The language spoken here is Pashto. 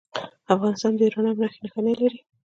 افغانستان د یورانیم نښې نښانې لري